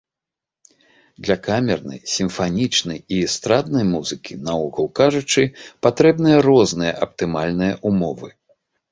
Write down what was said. Для камернай, сімфанічнай і эстраднай музыкі, наогул кажучы, патрэбныя розныя аптымальныя ўмовы.